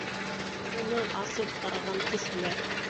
Уны асып ҡараған кешеләр: